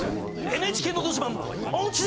「ＮＨＫのど自慢おうちで」